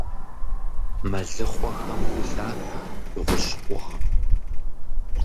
Мэлыхъуэхэм гу лъатэ дыгъужь къугъым.